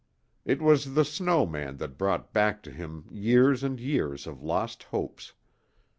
It was the snow man that brought back to him years and years of lost hopes.